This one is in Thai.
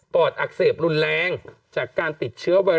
อดอักเสบรุนแรงจากการติดเชื้อไวร